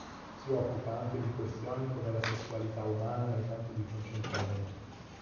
Si occupa anche di questioni come la sessualità umana nei campi di concentramento.